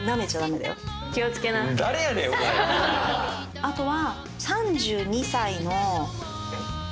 あとは。